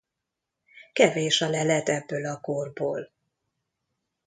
Kevés a lelet ebből a korból.